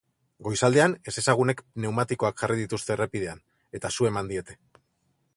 Goizaldean, ezezagunek pneumatikoak jarri dituzte errepidean, eta su eman diete.